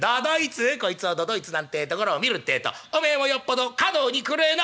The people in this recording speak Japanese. こいつを都々逸なんてえところを見るってえとお前もよっぽど歌道に暗えな」。